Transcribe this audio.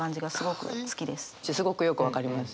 すごくよく分かります。